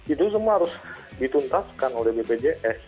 itu semua harus dituntaskan oleh bpjs